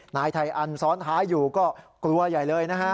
นายไทอันซ้อนท้ายอยู่ก็กลัวใหญ่เลยนะฮะ